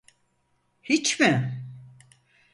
Hiç mi?